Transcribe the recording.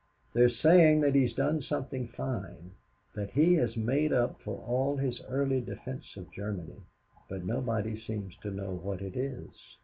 They are saying that he has done something fine, that has made up for all his early defense of Germany; but nobody seems to know what it is."